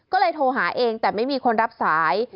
ก็เลยโทรหาเองแต่ไม่มีคนรับสาย